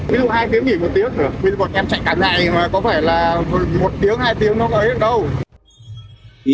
ví dụ một em chạy cả ngày mà có phải là một tiếng hai tiếng nó có hết đâu